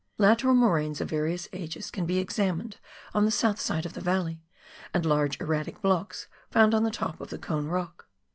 Lateral moraines of various ages can be examined on the south side of the valley, and large erratic blocks found on the top of the Cone Eock.